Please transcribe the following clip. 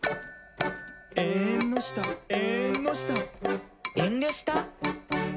「えんのしたえんのした」「えんりょした？」